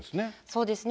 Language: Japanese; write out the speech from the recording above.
そうですね。